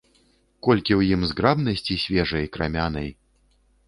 Колькі ў ім зграбнасці свежай, крамянай!